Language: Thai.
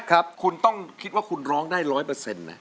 ครับคุณต้องคิดว่าคุณร้องได้๑๐๐นะ